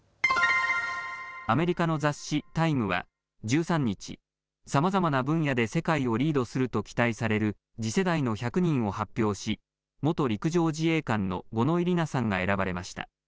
アメリカの雑誌、タイムは１３日、さまざまな分野で世界をリードすると期待される次世代の１００人を発表し、元陸上自衛官の五ノ井里奈さんが選ばれました。